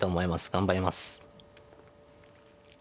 頑張ります。